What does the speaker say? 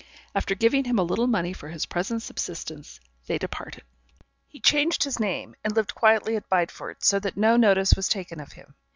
After giving him a little money for his present subsistence, they departed. He changed his name, and lived quietly at Bideford, so that no notice was taken of him.